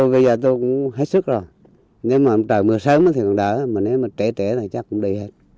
bây giờ tôi cũng hết sức rồi nếu mà trời mưa sớm thì còn đỡ mà nếu mà trễ trễ thì chắc cũng đi hết